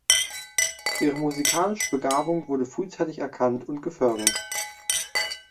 Ihre musikalische Begabung wurde frühzeitig erkannt und gefördert.